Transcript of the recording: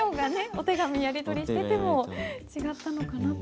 お手紙やり取りしてても違ったのかなと。